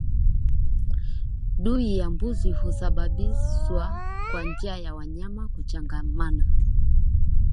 Ndui ya mbuzi husambazwa kwa njia ya wanyama kuchangamana